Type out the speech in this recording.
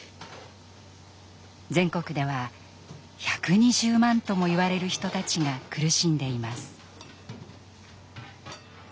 全国では１２０万ともいわれる人たちが苦しんでいます。